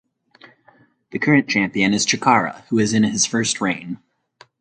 The current champion is Chikara who is in his first reign.